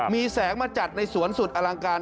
มีแสงมาจัดในสวนสุดอลังการ